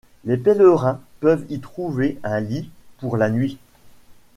Les pèlerins peuvent y trouver un lit pour la nuit.